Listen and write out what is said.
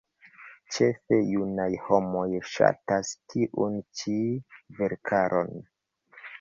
Ĉefe junaj homoj ŝatas tiun ĉi verkaron.